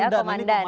iya komandan ya